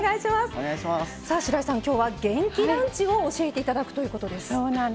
白井さん、今日は元気ランチを教えていただくということです。